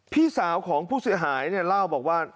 พี่สาวของผู้เสียหายเนี่ยเล่าบอกว่า